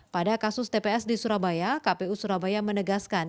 pada kasus tps di surabaya kpu surabaya menegaskan